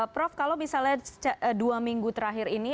prof kalau misalnya dua minggu terakhir ini